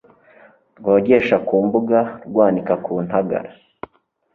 Rwogesha ku mbugaRwanika ku ntagara